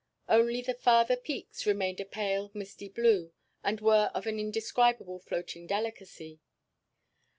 Only the farther peaks remained a pale misty blue, and were of an indescribable floating delicacy.